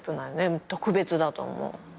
特別だと思う。